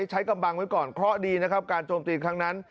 กำบังไว้ก่อนเคราะห์ดีนะครับการโจมตีครั้งนั้น